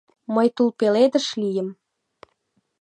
Мый тулпеледыш лийым